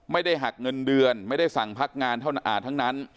ไม่ได้หักเงินเดือนไม่ได้สั่งพักงานทั้งนั้น